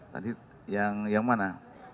tadi yang mana